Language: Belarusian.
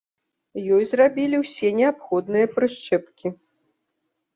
Ёй зрабілі ўсе неабходныя прышчэпкі.